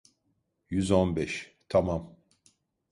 Yüz on beş… Tamam…